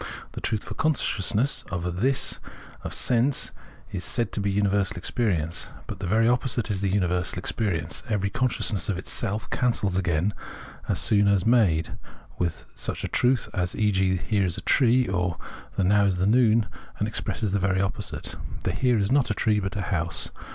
The truth for consciousness of a " This " of sense is said to be universal experience ; but the very opposite is universal experience. Every consciousness of itself Sense certainty 101 cancels again, as soon as made, such a truth as e.g. the Here is a tree, or the Now is noon, and expresses the very opposite : the Here is not a tree but a house.